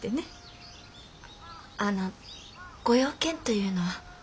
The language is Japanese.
あのご用件というのは？